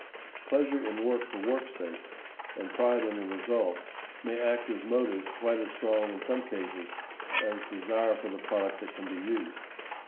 Pleasure in work for work's sake, and pride in the result, may act as motives quite as strong in some cases as desire for the product that can be used.